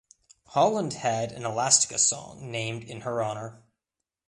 Holland had an Elastica song named in her honour.